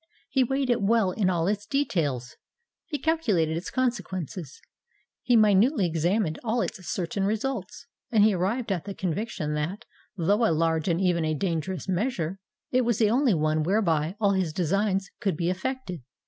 He weighed it well in all its details—he calculated its consequences—he minutely examined all its certain results,—and he arrived at the conviction that, though a large and even a dangerous measure, it was the only one whereby all his designs could be effected.